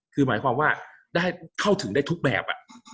คือหมายความว่าได้เข้าถึงได้ทุกแบบ